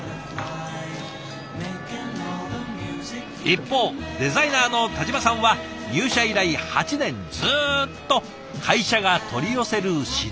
一方デザイナーの田嶋さんは入社以来８年ずっと会社が取り寄せる仕出し弁当。